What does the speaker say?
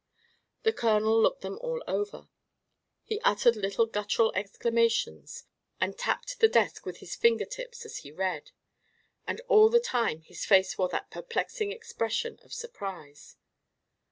The colonel looked them all over. He uttered little guttural exclamations and tapped the desk with his finger tips as he read, and all the time his face wore that perplexing expression of surprise.